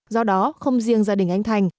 do đó không riêng gia đình anh thành